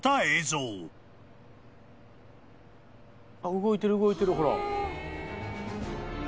動いてる動いてるほら。